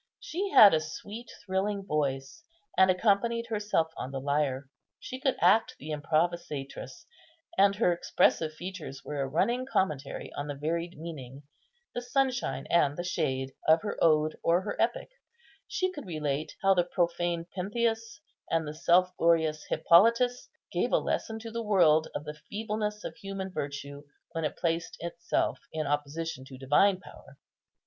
She had a sweet thrilling voice, and accompanied herself on the lyre. She could act the improvisatrice, and her expressive features were a running commentary on the varied meaning, the sunshine and the shade, of her ode or her epic. She could relate how the profane Pentheus and the self glorious Hippolytus gave a lesson to the world of the feebleness of human virtue when it placed itself in opposition to divine power.